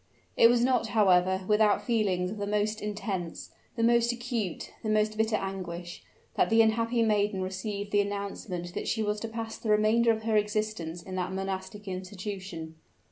It was not, however, without feelings of the most intense the most acute the most bitter anguish, that the unhappy maiden received the announcement that she was to pass the remainder of her existence in that monastic institution.